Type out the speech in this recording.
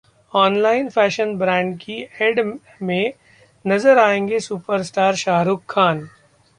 online fashion brand की ad में नजर आएंगे सुपरस्टार शाहरुख खान